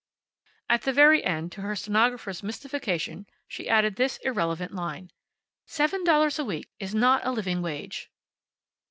At the very end, to her stenographer's mystification, she added this irrelevant line. "Seven dollars a week is not a living wage."